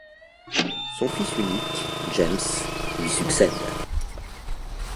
Son fils unique, James, lui succède.